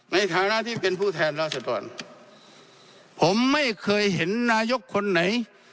ในฐานะที่เป็นผู้แทนราษฎรผมไม่เคยเห็นนายกคนไหน